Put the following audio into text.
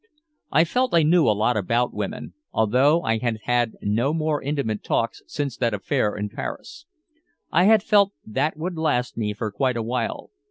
I felt I knew a lot about women, although I had had no more intimate talks since that affair in Paris. I had felt that would last me for quite a while.